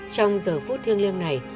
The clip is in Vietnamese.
trong giờ phút thiêng liêng này